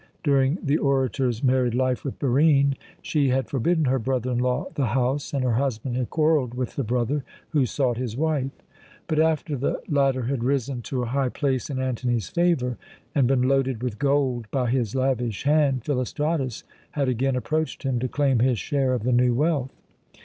During the orator's married life with Barine she had forbidden her brother in law the house, and her husband had quarrelled with the brother who sought his wife. But after the latter had risen to a high place in Antony's favour, and been loaded with gold by his lavish hand, Philostratus had again approached him to claim his share of the new wealth.